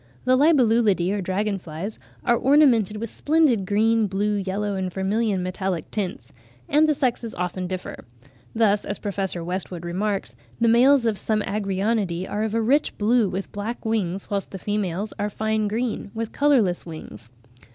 The Libellulidae, or dragon flies, are ornamented with splendid green, blue, yellow, and vermilion metallic tints; and the sexes often differ. Thus, as Prof. Westwood remarks (50. 'Modern Classification,' vol. ii. p. 37.), the males of some of the Agrionidae, "are of a rich blue with black wings, whilst the females are fine green with colourless wings."